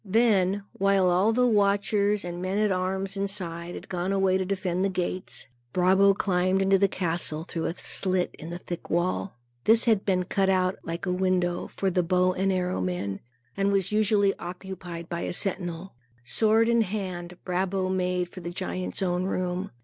Then, while all the watchers and men at arms inside, had gone away to defend the gates, Brabo climbed into the castle, through a slit in the thick wall. This had been cut out, like a window, for the bow and arrow men, and was usually occupied by a sentinel. Sword in hand, Brabo made for the giant's own room.